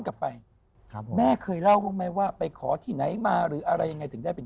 กลับไปแม่เคยเล่าว่าไปขอที่ไหนมาหรืออะไรยังไงถึงได้เป็น